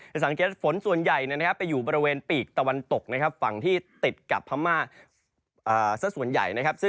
จะสังเกตว่าฝนส่วนใหญ่ไปอู่บริเวณภาคตะวันตกที่ติดกับภามาศาสตร์ส่วนใหญ่